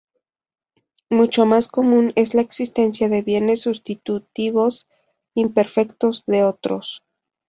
Mucho más común es la existencia de bienes sustitutivos imperfectos de otros.